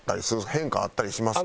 変化あったりしますか？